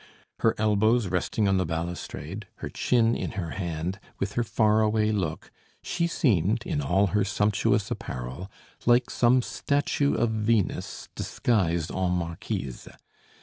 Her elbows resting on the balustrade, her chin in her hand, with her far away look, she seemed, in all her sumptuous apparel, like some statue of Venus disguised en marquise.